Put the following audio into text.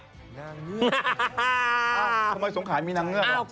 ทำไมสงขายมีนางเงือก